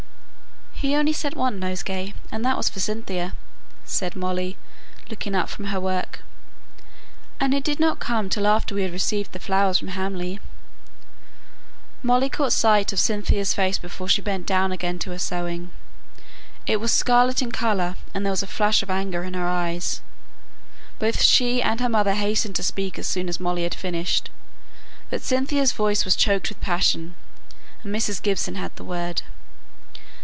"He only sent one nosegay, and that was for Cynthia," said Molly, looking up from her work. "And it did not come till after we had received the flowers from Hamley." Molly caught a sight of Cynthia's face before she bent down again to her sewing. It was scarlet in colour, and there was a flash of anger in her eyes. Both she and her mother hastened to speak as soon as Molly had finished, but Cynthia's voice was choked with passion, and Mrs. Gibson had the word.